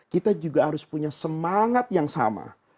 kita juga harus punya semangat yang sama